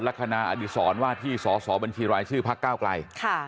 และคณะอดีตสอนว่าที่สอสอบัญชีรายชื่อพักเก้ากลายค่ะ